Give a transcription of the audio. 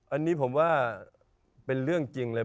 อันนี้ผมว่าเป็นเรื่องจริงเลย